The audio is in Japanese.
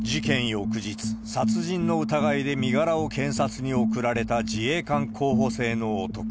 翌日、殺人の疑いで身柄を検察に送られた自衛官候補生の男。